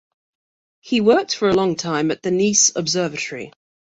He worked for a long time at the Nice Observatory.